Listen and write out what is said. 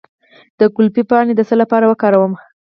د ګلپي پاڼې د څه لپاره وکاروم؟